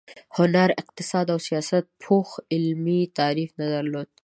هنر، اقتصاد او سیاست پوخ علمي تعریف نه درلود.